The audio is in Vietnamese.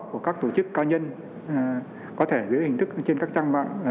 của các tổ chức cá nhân có thể dưới hình thức trên các trang mạng